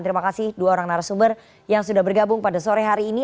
terima kasih dua orang narasumber yang sudah bergabung pada sore hari ini